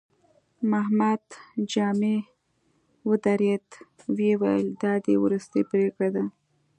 محمد جامي ودرېد، ويې ويل: دا دې وروستۍ پرېکړه ده؟